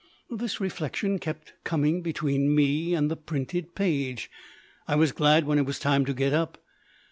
This reflection kept coming between me and the printed page. I was glad when it was time to get up.